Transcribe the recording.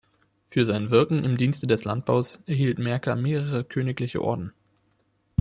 Für sein Wirken im Dienste des Landbaus erhielt Maercker mehrere königliche Orden.